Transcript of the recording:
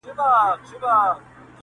بیا به جهان راپسي ګورې نه به یمه!.